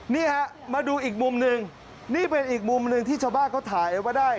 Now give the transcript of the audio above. นี่ฮะมาดูอีกมุมหนึ่งนี่เป็นอีกมุมหนึ่งที่ชาวบ้านเขาถ่ายไว้ได้